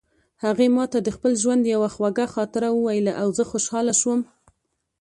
هغې ما ته د خپل ژوند یوه خوږه خاطره وویله او زه خوشحاله شوم